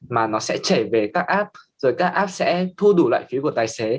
mà nó sẽ trẻ về các app rồi các app sẽ thu đủ lại phí của tài xế